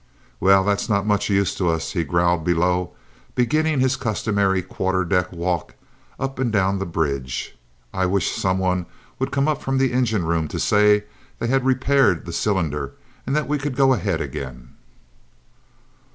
"Well, that's not much use to us," he growled below, beginning his customary "quarter deck walk" up and down the bridge. "I wish some one would come up from the engine room to say they had repaired the cylinder and that we could go ahead again!"